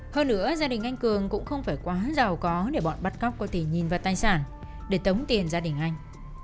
hơn nữa gia đình anh cường cũng không phải quá giàu có để bọn bắt góc có tỷ nhìn và tài sản để tống tiền gia đình anh